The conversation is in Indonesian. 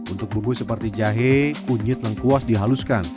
untuk bumbu seperti jahe kunyit lengkuas dihaluskan